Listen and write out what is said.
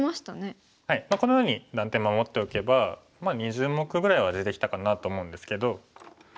このように断点守っておけばまあ２０目ぐらいは地できたかなと思うんですけど。